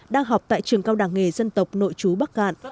đang học tại trường cao đảng nghề dân tộc nội chú bắc cạn